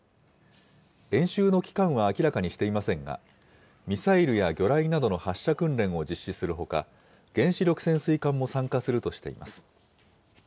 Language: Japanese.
演習の期間は明らかにしていませんが、ミサイルや魚雷などの発射訓練を実施するほか、原子力潜水艦も参加するとしています。